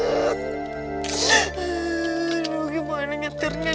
aduh gimana nyetirnya